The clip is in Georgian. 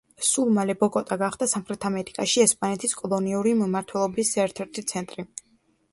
სულ მალე ბოგოტა გახდა სამხრეთ ამერიკაში ესპანეთის კოლონიური მმართველობის ერთ-ერთი ცენტრი.